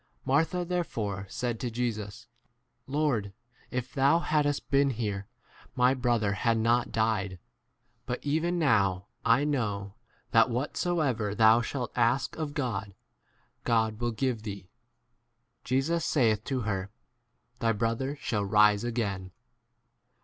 Martha therefore said to Jesus, Lord, if thou hadst been here my brother had not died; 22 but e even now I know, that what soever thou shalt ask f of God, God 23 ^riu gi ve thee. Jesus saith to her, Thy brother shall rise again.